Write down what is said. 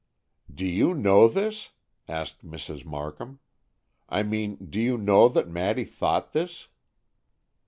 "Do you know this?" asked Mrs. Markham; "I mean, do you know that Maddy thought this?"